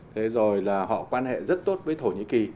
thế rồi là họ quan hệ rất tốt với thổ nhĩ kỳ